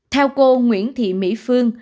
theo cô nguyễn thị mỹ phương